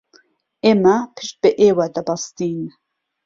ئێمە پشت بە ئێوە دەبەستین.